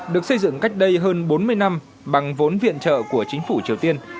được xây dựng cách đây hơn bốn mươi năm bằng vốn viện trợ của chính phủ triều tiên